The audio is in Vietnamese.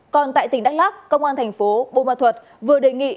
còn tại tỉnh đắk lắk công an thành phố bô ma thuật vừa đề nghị